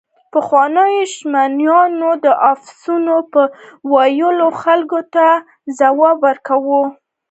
پخوانيو شمنیانو د افسانو په ویلو خلکو ته ځواک ورکاوه.